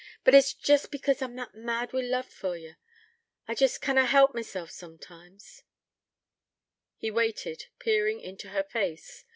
But it's jest because I'm that mad wi' love for ye: I jest canna help myself soomtimes ' He waited, peering into her face.